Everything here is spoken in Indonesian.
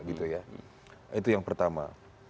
itu yang pertama